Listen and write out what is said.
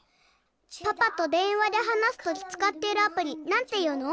パパと電話で話すときつかってるアプリなんていうの？